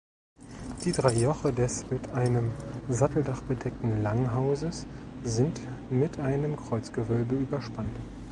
Die drei Joche des mit einem Satteldach bedeckten Langhauses sind mit einem Kreuzgewölbe überspannt.